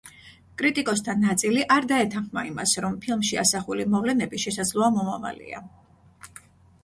კრიტიკოსთა ნაწილი არ დაეთანხმა იმას, რომ ფილმში ასახული მოვლენები შესაძლო მომავალია.